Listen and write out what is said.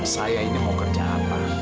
saya ini mau kerja apa